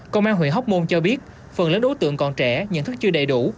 công an huyện hóc môn cho biết phần lớn đối tượng còn trẻ nhận thức chưa đầy đủ